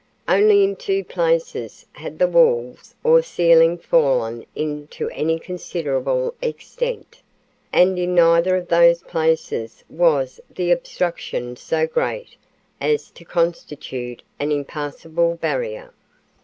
Only in two places had the walls or ceiling fallen in to any considerable extent, and in neither of those places was the obstruction so great as to constitute an impassable barrier.